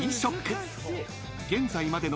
［現在までの］